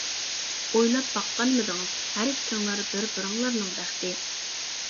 ئويلاپ باققانمىدىڭىز ھەر ئىككىڭلار بىر بىرىڭلارنىڭ بەختى!